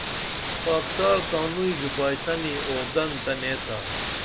خاکسار تانوئی ژوپائیسنی اودن تہ نیسا